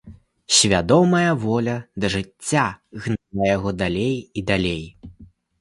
Свядомая воля да жыцця гнала яго далей і далей.